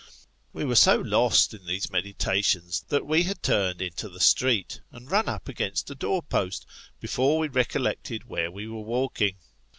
We were so lost in these meditations, that we had turned into the street, and run up against a door post, before we recollected where wo F 66 Sketches by Boz. were walking.